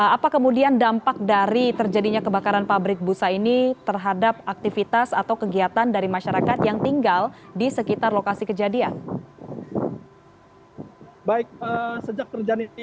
apa kemudian dampak dari terjadinya kebakaran pabrik busa ini terhadap aktivitas atau kegiatan dari masyarakat yang tinggal di sekitar lokasi kejadian